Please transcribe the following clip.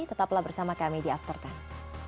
tetaplah bersama kami di after sepuluh